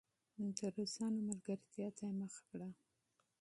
د روسانو دوستۍ ته یې مخه کړه.